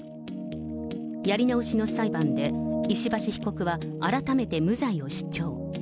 やり直しの裁判で石橋被告は改めて無罪を主張。